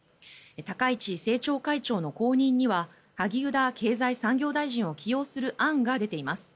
高市政調会長の後任には萩生田経済産業大臣を起用する案が出ています。